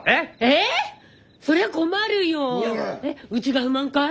うちが不満かい？